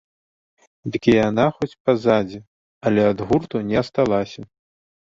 Дык і яна хоць па задзе, але ад гурту не асталася.